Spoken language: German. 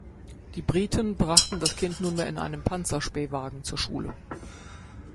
Die Briten brachten das Kind nunmehr in einem Panzerspähwagen zur Schule.